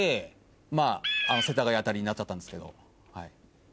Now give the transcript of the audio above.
まぁ世田谷辺りになっちゃったんですけど。